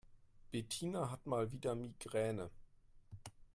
Bettina hat mal wieder Migräne.